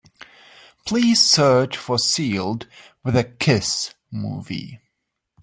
Please search for Sealed with a Kiss movie.